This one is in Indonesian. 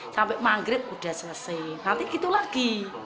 sampai manggrek sudah selesai nanti gitu lagi